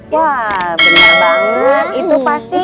wah benar banget